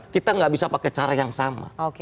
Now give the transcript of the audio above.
kita akan menggunakan cara yang sama